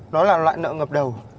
nó là loại nợ ngập đầu